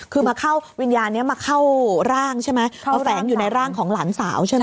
คือมาเข้าวิญญาณนี้มาเข้าร่างใช่ไหมมาแฝงอยู่ในร่างของหลานสาวใช่ไหม